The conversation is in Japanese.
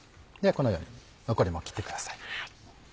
このように残りも切ってください。